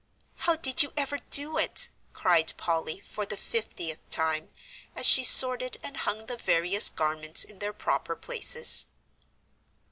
"How did you ever do it?" cried Polly, for the fiftieth time, as she sorted, and hung the various garments in their proper places.